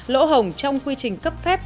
lỗ hồng trong quy trình cấp phép